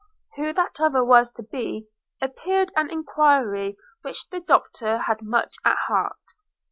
Who that other was to be, appeared an enquiry which the Doctor had much at heart.